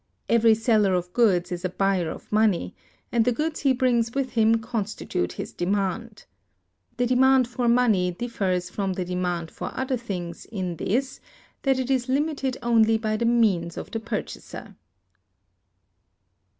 Every seller of goods is a buyer of money, and the goods he brings with him constitute his demand. The demand for money differs from the demand for other things in this, that it is limited only by the means of the purchaser.